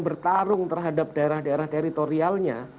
bertarung terhadap daerah daerah teritorialnya